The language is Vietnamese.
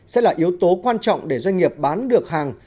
sẽ là yếu tố quan trọng để doanh nghiệp bán được hàng